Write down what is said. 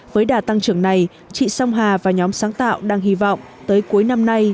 với đà tăng trưởng này chị song hà và nhóm sáng tạo đang hy vọng tới cuối năm nay